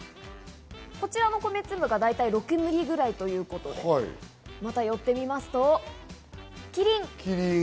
こちらの米粒が大体６ミリぐらいということで、寄ってみますとキリン。